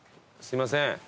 すいません。